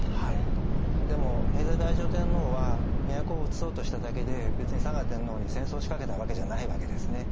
でも平城太上天皇は都をうつそうとしただけで別に嵯峨天皇に戦争しかけたわけじゃないわけですね。